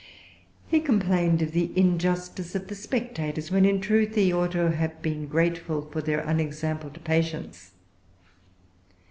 He complained of the injustice of the spectators, when, in truth, he ought to have been grateful for their unexampled patience.